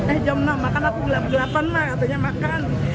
eh jam enam makan aku jam delapan lah katanya makan